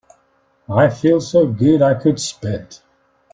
I feel so good I could spit.